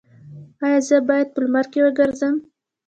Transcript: ایا زه باید په لمر کې وګرځم؟